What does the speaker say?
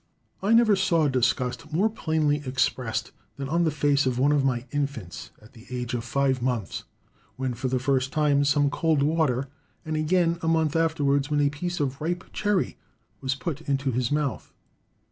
I never saw disgust more plainly expressed than on the face of one of my infants at the age of five months, when, for the first time, some cold water, and again a month afterwards, when a piece of ripe cherry was put into his mouth.